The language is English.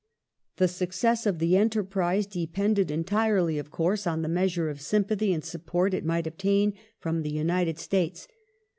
The success of the enterprise depended entirely, of course, on the measure of sympathy and support it might obtain from the United States.